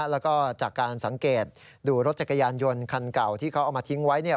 แล้วก็จากการสังเกตดูรถจักรยานยนต์คันเก่าที่เขาเอามาทิ้งไว้